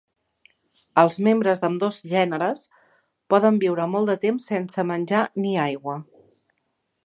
Els membres d'ambdós gèneres poden viure molt de temps sense menjar ni aigua.